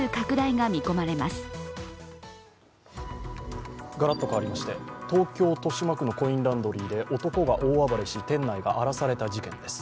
がらっと変わりまして、東京・豊島区のコインランドリーで男が大暴れし、店内が荒らされた事件です。